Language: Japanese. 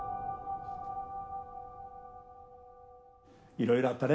いろいろあったね。